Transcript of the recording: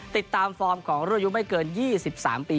ฟอร์มของรุ่นอายุไม่เกิน๒๓ปี